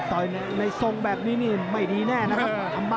ในทรงแบบนี้นี่ไม่ดีแน่นะครับ